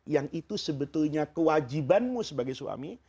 yang itu sebetulnya kewajibanmu sebagai suami